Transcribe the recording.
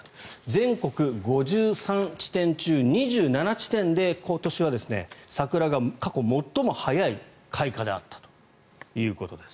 全国５３地点中２７地点で今年は桜が過去最も早い開花であったということです。